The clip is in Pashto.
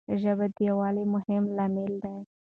ژبه د یووالي مهم لامل دی.